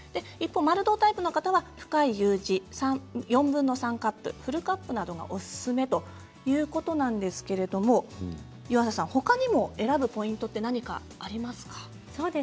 一方の丸胴タイプは深いＵ字４分の３カップフルカップなどがおすすめということなんですけれども湯浅さんほかにも選ぶポイントは何かありますか？